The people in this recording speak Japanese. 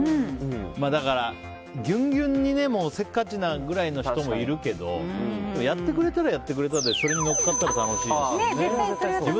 だから、ギュンギュンにせっかちな人もいるけどやってくれたら、やってくれたでそれに乗っかったら楽しいけどね。